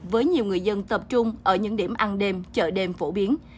với nhiều người dân tập trung ở những điểm ăn đêm chợ đêm phổ biến